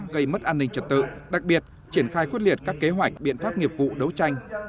gây mất an ninh trật tự đặc biệt triển khai quyết liệt các kế hoạch biện pháp nghiệp vụ đấu tranh